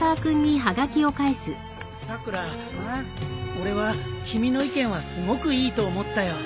俺は君の意見はすごくいいと思ったよ。